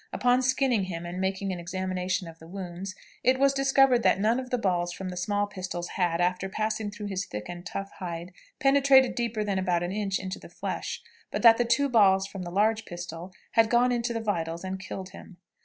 Upon skinning him and making an examination of the wounds, it was discovered that none of the balls from the small pistols had, after passing through his thick and tough hide, penetrated deeper than about an inch into the flesh, but that the two balls from the large pistol had gone into the vitals and killed him.